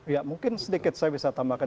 ya mungkin sedikit saya bisa tambahkan